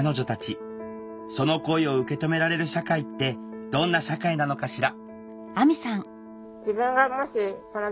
その声を受けとめられる社会ってどんな社会なのかしら？